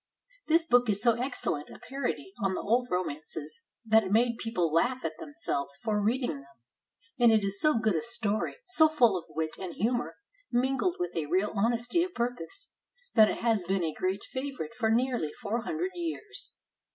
This book is so excellent a parody on the old romances that it made people laugh at themselves for reading them; and it is so good a story, so full of wit and humor, mingled with a real honesty of purpose, that it has been a great favorite for nearly four hundred years.